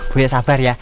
mbak ya sabar ya